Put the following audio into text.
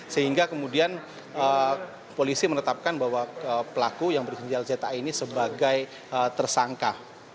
sehingga kemudian polisi menetapkan bahwa pelaku yang berisial za ini sebagai tersangka